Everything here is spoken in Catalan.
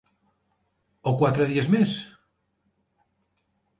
O quatre dies més??